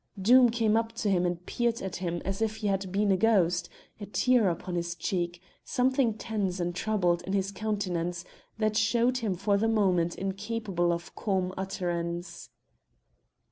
Doom came up to him and peered at him as if he had been a ghost, a tear upon his cheek, something tense and troubled in his countenance, that showed him for the moment incapable of calm utterance.